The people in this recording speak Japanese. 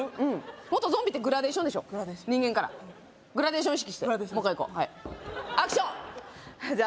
もっとゾンビってグラデーションでしょ人間からグラデーション意識してもう一回いこうはいアクションじゃあ